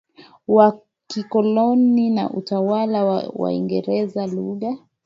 wa kikoloni na utawala wa waingereza Lugha